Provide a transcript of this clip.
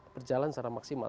berjalan secara maksimal